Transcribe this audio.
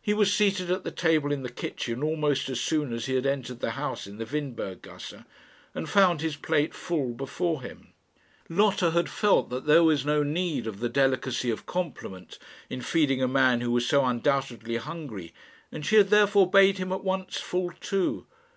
He was seated at the table in the kitchen almost as soon as he had entered the house in the Windberg gasse, and found his plate full before him. Lotta had felt that there was no need of the delicacy of compliment in feeding a man who was so undoubtedly hungry, and she had therefore bade him at once fall to.